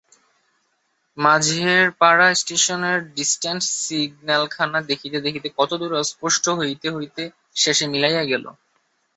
মাঝেরপাড়া স্টেশনের ডিসট্যান্ট সিগন্যালখানা দেখিতে দেখিতে কতদূরে অস্পষ্ট হইতে হইতে শেষে মিলাইয়া গেল।